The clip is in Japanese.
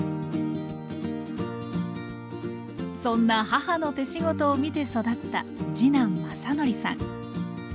そんな母の手仕事を見て育った次男将範さん。